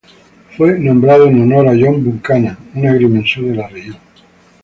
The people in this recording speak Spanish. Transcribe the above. Fue nombrado en honor a John Buchanan, un agrimensor de la región.